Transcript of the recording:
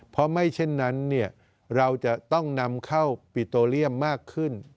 เพราะไม่เช่นนั้นเราจะต้องนำเข้าปิโตเรียมมากขึ้น